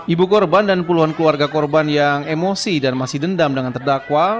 ibu korban dan puluhan keluarga korban yang emosi dan masih dendam dengan terdakwa